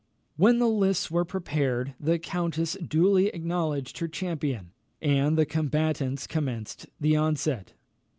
] When the lists were prepared, the countess duly acknowledged her champion, and the combatants commenced the onset.